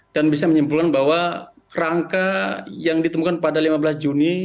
dan bisa menyimpulkan bahwa kerangka yang ditemukan pada lima belas juni